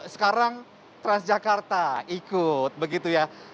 sekarang transjakarta ikut begitu ya